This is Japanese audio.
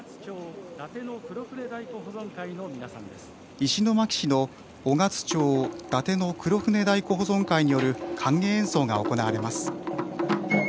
石巻市の雄勝町伊達の黒船太鼓保存会による歓迎演奏が行われます。